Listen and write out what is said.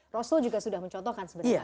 rasul juga sudah mencontohkan sebenarnya